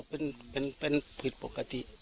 เป็นผิดปกติ